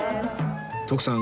徳さん